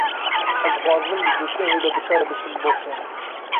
Ez dixwazim di cotmehê de bi te re biçim Bostonê.